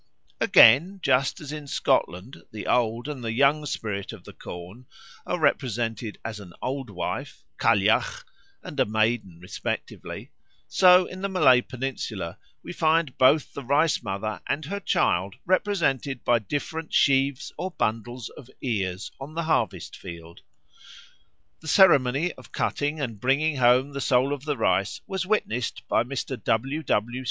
Again, just as in Scotland the old and the young spirit of the corn are represented as an Old Wife (Cailleach) and a Maiden respectively, so in the Malay Peninsula we find both the Rice mother and her child represented by different sheaves or bundles of ears on the harvest field. The ceremony of cutting and bringing home the Soul of the Rice was witnessed by Mr. W. W.